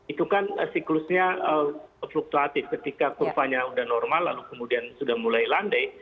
itu kan siklusnya fluktuatif ketika kurvanya sudah normal lalu kemudian sudah mulai landai